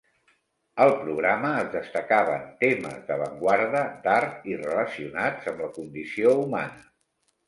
Al programa es destacaven temes d'avantguarda, d'art i relacionats amb la condició humana.